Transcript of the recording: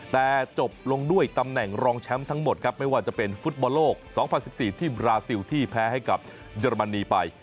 แต่จบลงด้วยตำแหน่งรองแชมป์ทั้งหมดครับไม่ว่าจะเป็นฟุตบอลโลก๒๐๑๔ที่บราซิลที่แพ้ให้กับเยอรมนีไป